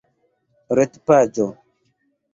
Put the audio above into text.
retpaĝo